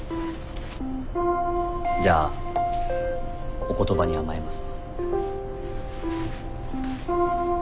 じゃあお言葉に甘えます。